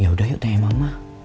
ya udah yuk tanya mama